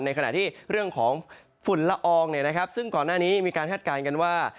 ขณะที่เรื่องของฝุ่นละอองซึ่งก่อนหน้านี้มีการคาดการณ์กันว่า